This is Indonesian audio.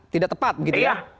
tidak tepat gitu ya